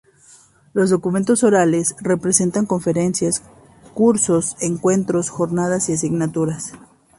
Los documentos orales representan conferencias, cursos, encuentros, jornadas y asignaturas.